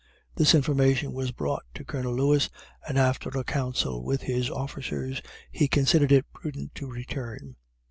This information was brought to Colonel Lewis, and after a council with his officers, he considered it prudent to return.